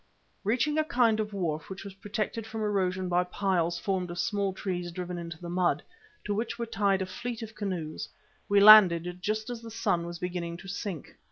Reaching a kind of wharf which was protected from erosion by piles formed of small trees driven into the mud, to which were tied a fleet of canoes, we landed just as the sun was beginning to sink.